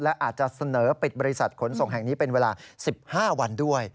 และอาจจะเสนอปิดบริษัทขนส่งแห่งนี้เป็นเวลา๑๕วันด้วย